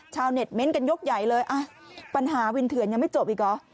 ชาวเน็ตเม้นต์กันยกใหญ่เลยอ่ะปัญหาวินเถื่อนยังไม่จบอีกเหรอ